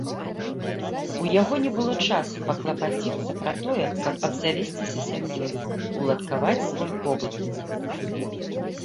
У яго не было часу паклапаціцца пра тое, каб абзавесціся сям'ёй, уладкаваць свой побыт.